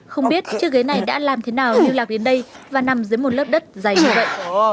không biết chiếc ghế này đã làm thế nào đi lạc đến đây và nằm dưới một lớp đất dày như vậy